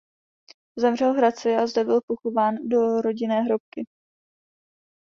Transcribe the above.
Zemřel v Hradci a zde byl pochován do rodinné hrobky.